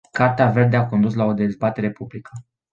Cartea verde a condus la o dezbatere publică.